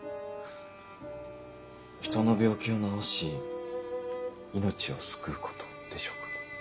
人の病気を治し命を救うことでしょうか？